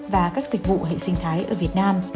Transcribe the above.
và các dịch vụ hệ sinh thái ở việt nam